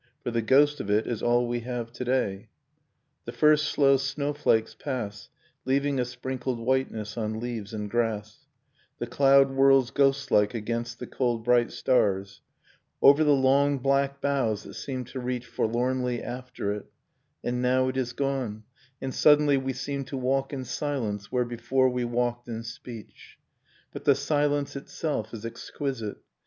. For the ghost of it is all we have to day ../ The first slow snowflakes pass Leaving a sprinkled whiteness on leaves and grass, The cloud whirls ghostlike against the cold bright stars, Nocturne of Remembered Spring Over the long black boughs that seem to reach Forlornly after it, And now it is gone, and suddenly we seem To walk in silence where before we walked in speech ... But the silence itself is exquisite.